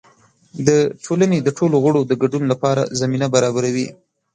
د ټولنې د ټولو غړو د ګډون لپاره زمینه برابروي.